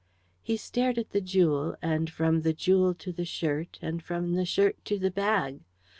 He stared at the jewel, and from the jewel to the shirt, and from the shirt to the bag.